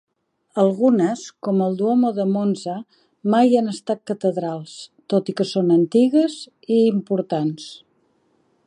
Algunes, com el Duomo de Monza, mai han estat catedrals, tot i que són antigues i importants.